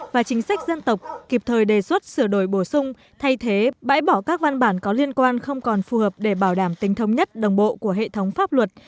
và chính sách dân tộc kịp thời đề xuất sửa đổi bổ sung thay thế bãi bỏ các văn bản có liên quan không còn phù hợp để bảo đảm tính thống nhất đồng bộ của hệ thống pháp luật